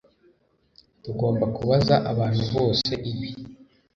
Tugomba kubaza abantu bose ibi